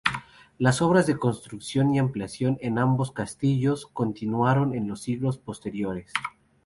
Las obras de construcción y ampliación en ambos castillos continuaron en los siglos posteriores.